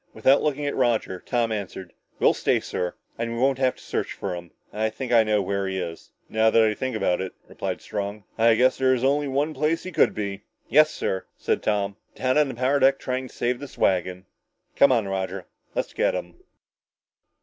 Without looking at Roger, Tom answered, "We'll stay, sir. And we won't have to search for him. I think I know where he is." "Now that I think about it," replied Strong, "I guess there is only one place he could be." "Yes, sir," said Tom, "down on the power deck trying to save this wagon! Come on, Roger! Let's get him!"